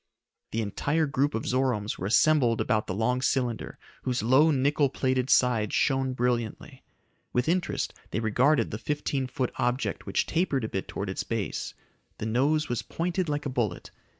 The entire group of Zoromes were assembled about the long cylinder, whose low nickel plated sides shone brilliantly. With interest they regarded the fifteen foot object which tapered a bit towards its base. The nose was pointed like a bullet.